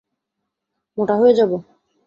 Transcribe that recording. মোটা হয়ে যাবো।